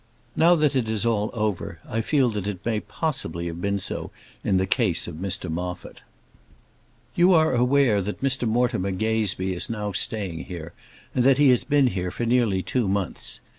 Now that it is all over, I feel that it may possibly have been so in the case of Mr Moffat. You are aware that Mr Mortimer Gazebee is now staying here, and that he has been here for nearly two months.